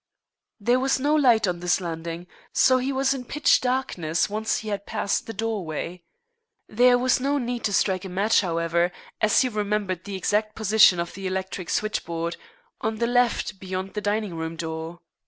There was no light on this landing, so he was in pitch darkness once he had passed the doorway. There was no need to strike a match, however, as he remembered the exact position of the electric switchboard on the left beyond the dining room door.